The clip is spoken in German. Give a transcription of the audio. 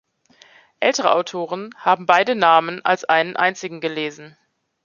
Ältere Autoren haben beide Namen als einen einzigen gelesen.